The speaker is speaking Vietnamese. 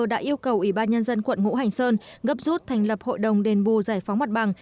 đã yêu cầu ủy ban nhân dân quận ngũ hành sơn gấp rút thành lập hội đồng đền bù giải phóng mặt bằng